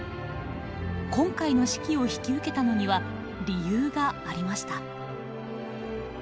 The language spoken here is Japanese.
今回の指揮を引き受けたのには理由がありました。